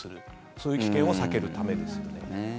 そういう危険を避けるためですよね。